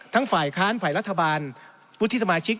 ฝ่ายค้านฝ่ายรัฐบาลวุฒิสมาชิก